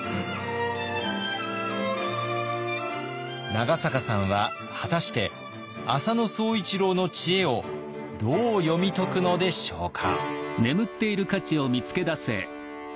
長坂さんは果たして浅野総一郎の知恵をどう読み解くのでしょうか。